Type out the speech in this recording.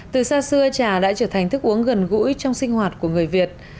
từ xa xưa trà đã trở thành thức uống gần gũi trong sinh hoạt của người việt